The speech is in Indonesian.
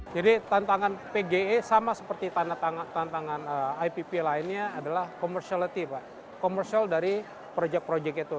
jadi tantangan pge sama seperti tantangan ipp lainnya adalah komersial dari proyek proyek itu